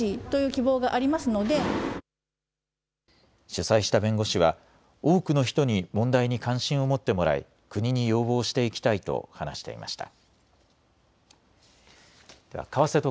主催した弁護士は多くの人に問題に関心を持ってもらい国に要望していきたいと話していました。